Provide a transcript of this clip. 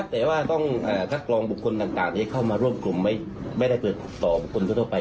บุคคลต้องไปครับผมมีการได้เก็บเข้ามาเสร็จเข้ามาแล้วครับครับ